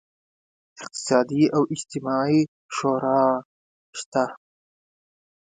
اقتصادي او اجتماعي شورا شته.